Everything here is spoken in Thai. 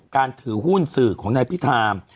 การถือหุ้นสื่อของนายพิธาม